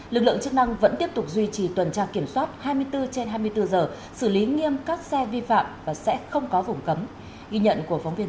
lực lượng chức năng vẫn tiếp tục duy trì tuần tra kiểm soát hai mươi bốn trên hai mươi bốn giờ xử lý nghiêm các xe vi phạm và sẽ không có chuyện hết cao điểm